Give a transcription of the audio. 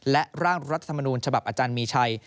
และร่างรัฐมนูญฉบับอาจารย์มีชัย